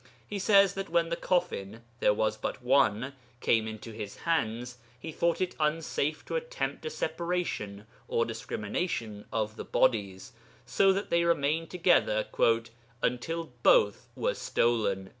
He says that when the coffin (there was but one) came into his hands, he thought it unsafe to attempt a separation or discrimination of the bodies, so that they remained together 'until [both] were stolen.'